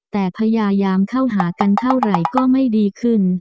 แต่พยายามเข้าหากันเท่าไหร่ก็ไม่ดีขึ้น